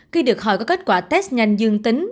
khi được hỏi có kết quả test nhanh dương tính